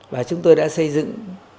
và chúng tôi đã xây dựng